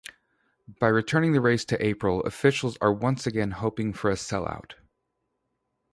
By returning the race to April, officials are once again hoping for a sellout.